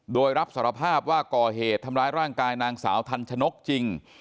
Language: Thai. โดยรับสารภาพว่าก่อเหตุทำร้ายร่างกายนางสาวทันชนกจริง